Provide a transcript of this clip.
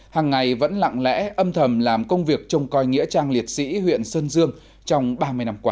hàng ngày vẫn lặng lẽ âm thầm làm công việc trông coi nghĩa trang liệt sĩ huyện sơn dương trong ba mươi năm qua